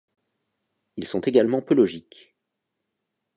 Ils sont également peu logiques.